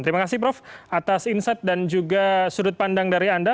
terima kasih prof atas insight dan juga sudut pandang dari anda